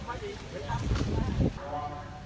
สวัสดีครับคุณผู้ชาย